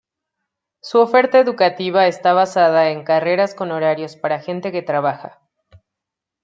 Su oferta educativa está basada en carreras con horarios para gente que trabaja.